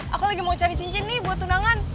aku lagi mau cari cincin nih buat tunangan